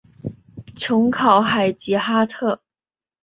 琼考海吉哈特。